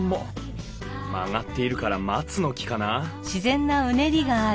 曲がっているから松の木かな？